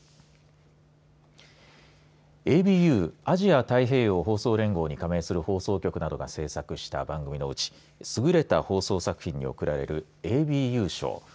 ＡＢＵ、アジア太平洋放送連合に加盟する放送局などが制作した番組のうち優れた放送作品に贈られるＡＢＵ賞。